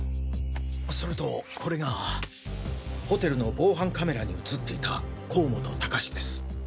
それとこれがホテルの防犯カメラに映っていた甲本高士です。